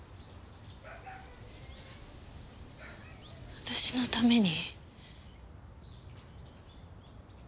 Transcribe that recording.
私のために。